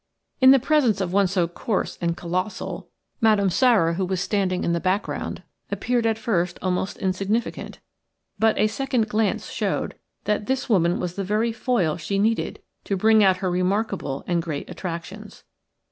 In the presence of one so coarse and colossal Madame Sara, who was standing in the background, appeared at first almost insignificant, but a second glance showed that this woman was the very foil she needed to bring out her remarkable and great attractions.